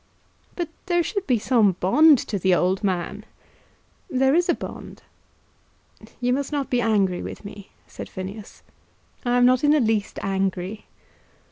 "But there should be some bond to the old man." "There is a bond." "You must not be angry with me," said Phineas. "I am not in the least angry."